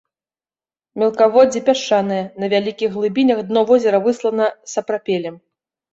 Мелкаводдзе пясчанае, на вялікіх глыбінях дно возера выслана сапрапелем.